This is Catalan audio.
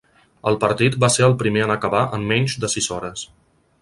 El partit va ser el primer en acabar en menys de sis hores.